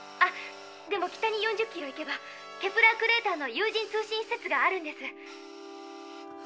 でも北に４０キロ行けばケプラー・クレーターの有人通信施設があるんです。